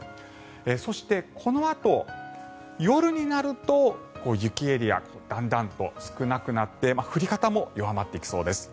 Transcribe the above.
そして、このあと夜になると雪エリアだんだんと少なくなって降り方も弱まっていきそうです。